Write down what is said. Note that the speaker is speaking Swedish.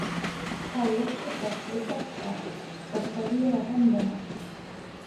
Kalles porträtt blev bättre, observera händerna.